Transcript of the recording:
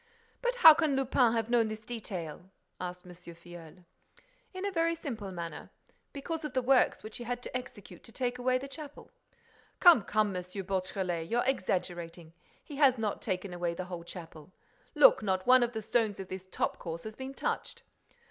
"But how can Lupin have known this detail?" asked M. Filleul. "In a very simple manner: because of the works which he had to execute to take away the chapel." "Come, come, M. Beautrelet, you're exaggerating. He has not taken away the whole chapel. Look, not one of the stones of this top course has been touched."